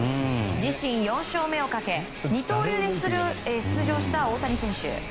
自身４勝目をかけ二刀流で出場した大谷選手。